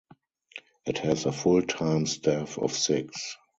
It has a full-time staff of six.